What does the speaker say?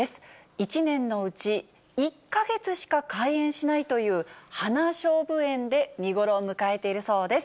１年のうち、１か月しか開園しないという花しょうぶ園で見頃を迎えているそうです。